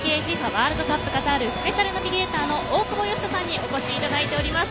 ワールドカップカタールスペシャルナビゲーターの大久保嘉人さんにお越しいただいております。